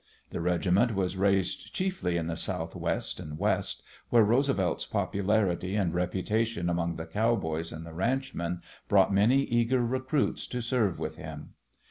The regiment was raised chiefly in the Southwest and West, where Roosevelt's popularity and reputation among the cowboys and the ranchmen brought many eager recruits to serve with him.